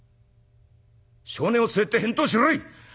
性根を据えて返答しろい！」。